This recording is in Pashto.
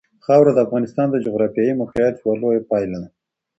خاوره د افغانستان د جغرافیایي موقیعت یوه لویه پایله ده.